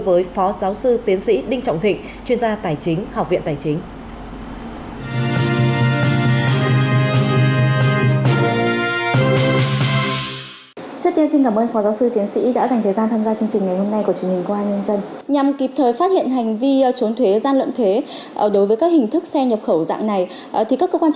với phó giáo sư tiến sĩ đinh trọng thịnh chuyên gia tài chính học viện tài chính